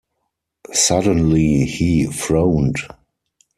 Suddenly he frowned.